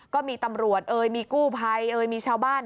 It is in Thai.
ก็มีตำรวจมีกู้ภัยมีชาวบ้าน